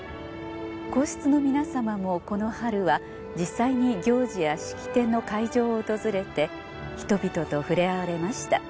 皇室の皆さまもこの春は実際に行事や式典の会場を訪れて人々と触れ合われました。